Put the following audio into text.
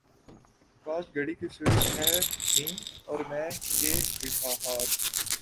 کاش گھڑی کی سوئ ٹھہر ج اور میں ی بیٹھا ر